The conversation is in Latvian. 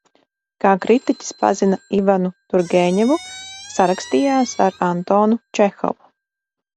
Kā kritiķis pazina Ivanu Turgeņevu, sarakstījās ar Antonu Čehovu.